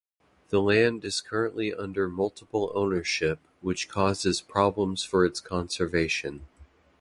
The land is currently under multiple ownership, which causes problems for its conservation.